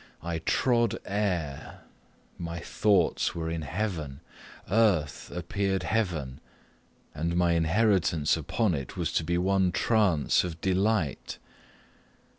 I trod air my thoughts were in heaven. Earth appeared heaven, and my inheritance upon it was to be one trance of delight.